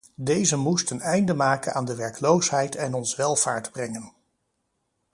Deze moest een einde maken aan de werkloosheid en ons welvaart brengen.